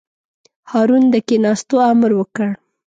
هارون د کېناستو امر وکړ.